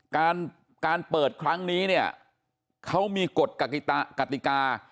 การการเปิดครั้งนี้เนี่ยเขามีกฎกติกา